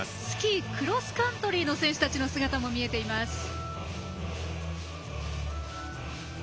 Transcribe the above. スキー・クロスカントリーの選手たちの姿も見えています。